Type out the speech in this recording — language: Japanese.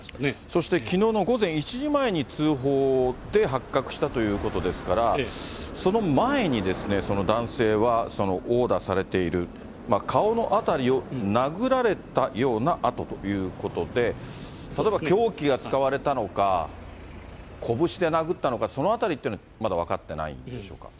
そしてきのうの午前１時前に通報で発覚したということですから、その前に、その男性は殴打されている、顔の辺りを殴られたような痕ということで、例えば凶器が使われたのか、拳で殴ったのか、そのあたりっていうのはまだ分かってないんでしょうか。